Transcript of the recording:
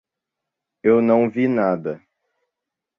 Eu não vi nada.